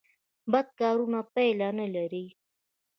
بد کارونه پایله نلري